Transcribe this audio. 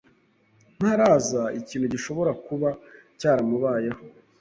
Ntaraza. Ikintu gishobora kuba cyaramubayeho.